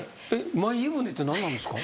マイ湯船って何なんですか？